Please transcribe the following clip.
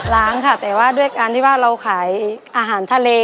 ล้างค่ะแต่ว่าด้วยการที่ว่าเราขายอาหารทะเล